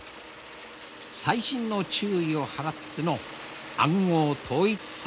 細心の注意を払っての暗号統一作戦である。